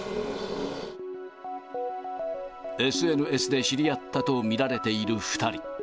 ＳＮＳで知り合ったと見られている２人。